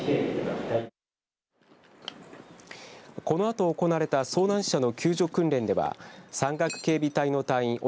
このあと行われた遭難者の救助訓練では山岳警備隊の隊員